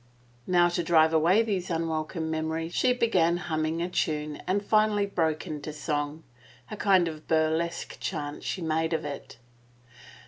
Now to drive away these unwelcome memories she be gan humming a tune and finally broke into song. A kind of burlesque chant she made of it.